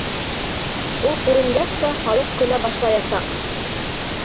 Ул күренгәс тә халыҡ көлә башлаясаҡ!